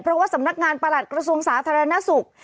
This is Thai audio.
เพราะว่าสำนักงานประหลัดกระทรวงสาธารณสุข